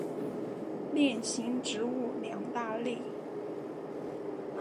链型植物两大类。